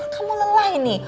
kamu lelah ini